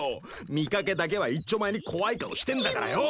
見かけだけはいっちょ前に怖い顔してんだからよ。